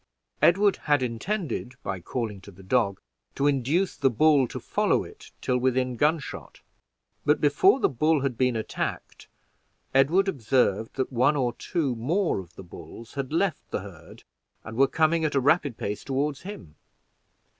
Edward had intended, by calling to the dog, to induce the bull to follow it till within gun shot; but before the bull had been attacked, Edward observed that one or two more of the bulls had left the herd, and were coming at a rapid pace toward him.